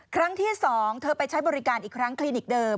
ครั้งที่๒เธอไปใช้บริการอีกครั้งคลินิกเดิม